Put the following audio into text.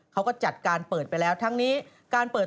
เขาก็จัดการเปิดไปแล้วทั้งนี้การเปิด